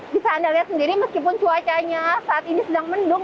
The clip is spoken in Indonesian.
bisa anda lihat sendiri meskipun cuacanya saat ini sedang mendung